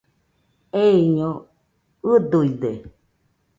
Eiño ɨduide